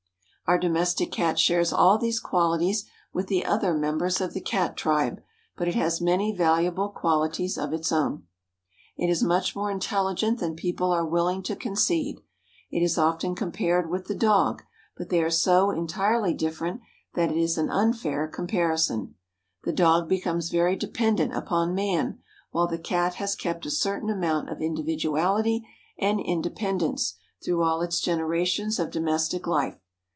Our Domestic Cat shares all these qualities with the other members of the Cat tribe, but it has many valuable qualities of its own. It is much more intelligent than people are willing to concede. It is often compared with the dog, but they are so entirely different that it is an unfair comparison. The dog becomes very dependent upon man, while the Cat has kept a certain amount of individuality and independence through all its generations of domestic life.